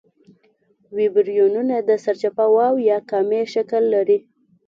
ویبریونونه د سرچپه واو یا کامي شکل لري.